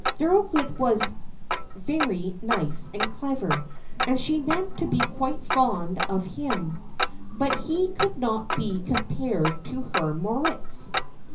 Thorold was very nice and clever, and she meant to be quite fond of him; but he could not be compared to her Moritz.